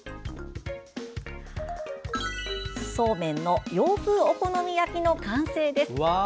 そうめんの洋風お好み焼きの完成です。